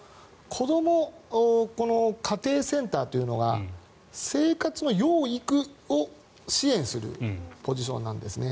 こども家庭センターというのが生活の養育を支援するポジションなんですね。